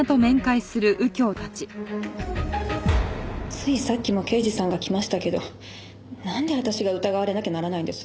ついさっきも刑事さんが来ましたけどなんで私が疑われなきゃならないんです？